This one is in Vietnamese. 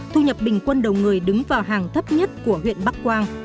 thu nhập bình quân đầu người đứng vào hàng thấp nhất của huyện bắc quang